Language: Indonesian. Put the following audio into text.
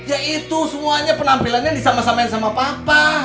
ya itu semuanya penampilannya disamain sama papa